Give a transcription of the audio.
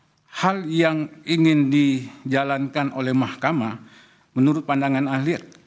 mungkin kita bisa melihat bahwa hal yang ingin dijalankan oleh mahkamah menurut pandangan ahli